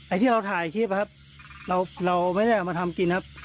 ที่เราถ่ายคลิปครับเราไม่ได้เอามาทำกินครับ